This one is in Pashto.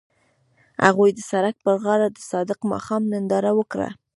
هغوی د سړک پر غاړه د صادق ماښام ننداره وکړه.